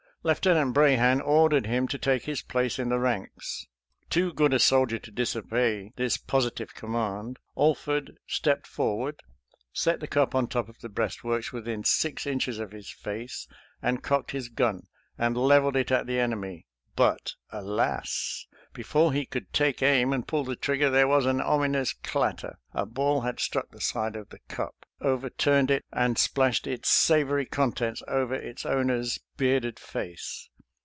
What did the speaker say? Lieutenant Brahan ordered him to take his place in the ranks. Too good a soldier to disobey this posi tive command, Alford stepped forward, set the cup on top of the breastworks within six inches of his face, and cocked his gun and leveled it at the enemy. But alas! before he could take aim and pull the trigger there was an ominous clat ter. A ball had struck the side of the cup, over turned it, and splashed its savory contents over its owner's bearded face.